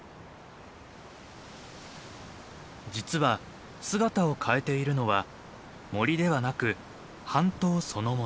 実は姿を変えているのは森ではなく半島そのもの。